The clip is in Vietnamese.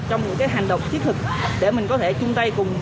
trong những cái hành động thiết thực để mình có thể chung tay cùng